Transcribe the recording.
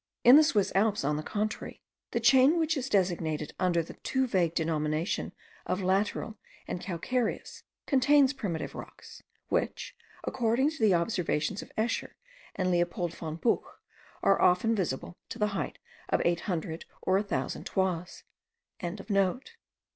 In the Swiss Alps, on the contrary, the chain which is designated under the too vague denomination of lateral and calcareous, contains primitive rocks, which, according to the observations of Escher and Leopold von Buch, are often visible to the height of eight hundred or a thousand toises.)